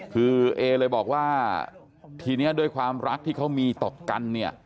คือเกนะคะเลยบอกว่าทีนี้ด้วยความรักที่เขามีต่อกัน